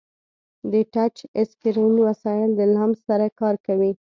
د ټچ اسکرین وسایل د لمس سره کار کوي.